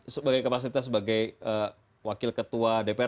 sebagai kapasitas sebagai wakil ketua dpr